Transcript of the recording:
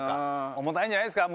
重たいんじゃないですか？